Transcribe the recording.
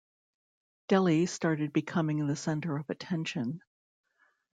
Delhi started becoming the center of attention.